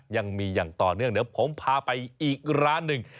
ยังมีอย่างต่อเนื่องเดี๋ยวผมพาไปอีกร้านหนึ่ง